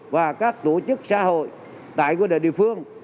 và các tổ chức xã hội tại địa phương